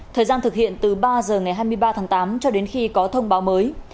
thời gian thực hiện từ ba giờ ngày hai mươi ba tháng tám cho đến khi có thông báo mới